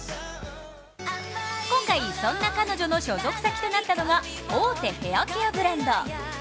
今回、そんな彼女の所属先となったのが大手ヘアケアブランド。